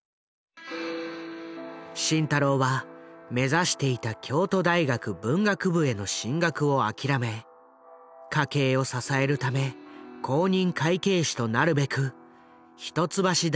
慎太郎は目指していた京都大学文学部への進学を諦め家計を支えるため公認会計士となるべく一橋大学に入学した。